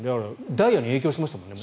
ダイヤに影響しましたもんね